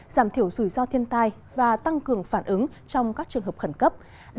giảm thiểu rủi ro thiên tai và tăng cường phản ứng trong các trường hợp khẩn cấp